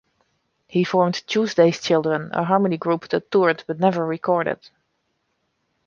He formed Tuesday's Children, a harmony group that toured but never recorded.